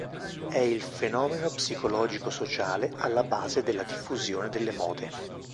È il fenomeno psicologico-sociale alla base della diffusione delle "mode".